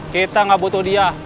kita nggak butuh dia